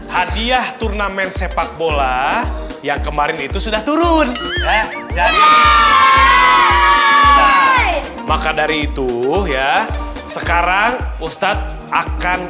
hadiah turnamen sepak bola yang kemarin itu sudah turun maka dari itu ya sekarang ustadz akan